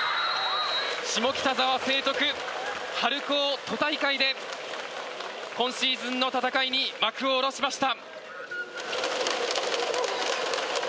下北沢成徳春高都大会で今シーズンの戦いに幕を下ろしました。